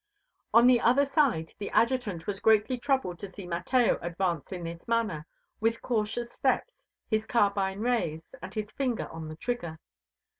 On the other side the Adjutant was greatly troubled to see Mateo advance in this manner, with cautious steps, his carbine raised, and his finger on the trigger.